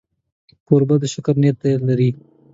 کوربه د شکر نیت لري.